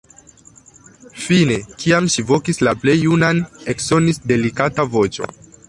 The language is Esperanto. Fine, kiam ŝi vokis la plej junan, eksonis delikata voĉo.